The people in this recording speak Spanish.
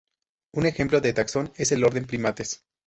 Un ejemplo de taxón es el orden Primates.